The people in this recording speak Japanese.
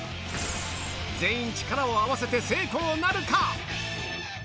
全員力を合わせて成功なるか。